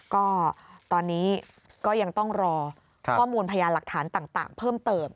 ก็ตอนนี้ก็ยังต้องรอข้อมูลพยานหลักฐานต่างเพิ่มเติม